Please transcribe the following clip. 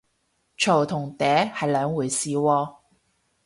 嘈同嗲係兩回事喎